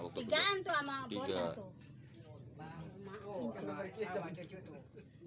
tigaan tuh sama bota tuh